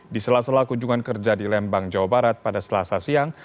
di sela sela kunjungan kerja di lembang jawa barat pada selasa siang